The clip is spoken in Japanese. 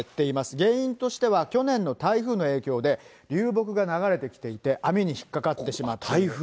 原因としては去年の台風の影響で、流木が流れてきていて網に引っ掛かってしまって。